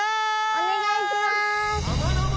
お願いします！